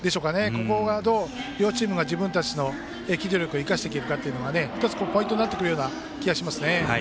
ここがどう両チームが自分たちの機動力を生かしていけるのかがポイントになってくると思います。